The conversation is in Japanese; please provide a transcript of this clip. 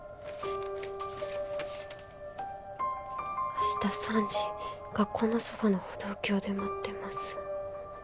「明日３時学校のそばの歩道橋で待ってます」